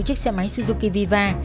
chiếc xe máy suzuki viva